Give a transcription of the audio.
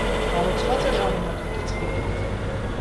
Կառուցված է ժամանակակից ոգով։